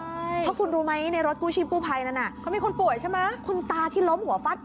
เพราะคุณรู้มั้ยในรถกู้ชีพกู้ภัยนั้นน่ะ